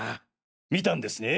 見たんですね？